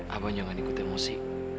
abang jangan ikut emosi